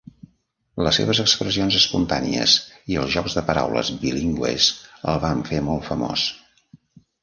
Les seves expressions espontànies i els jocs de paraules bilingües el van fer molt famós.